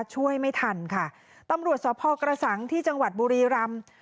ช่วยไม่ทันค่ะตำรวจสพกระสังที่จังหวัดบุรีรำ